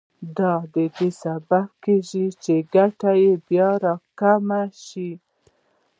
دا د دې سبب کېږي چې د ګټې بیه راکمه شي